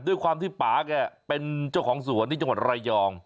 ด้วยความที่ป่าแกเป็นเจ้าของสวนที่จังหวัดระยอง